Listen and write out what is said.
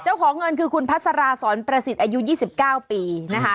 เจ้าของเงินคือคุณพัสราสอนประสิทธิ์อายุ๒๙ปีนะคะ